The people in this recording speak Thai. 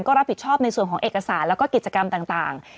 ก็รับผิดชอบในส่วนของเอกสารแล้วก็กิจกรรมต่าง